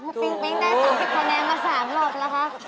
พูดปิ๊กได้๓๐คะแนนมา๓รอบแล้วค่ะ